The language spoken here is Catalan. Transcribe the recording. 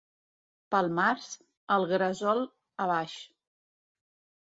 Pel març, el gresol a baix.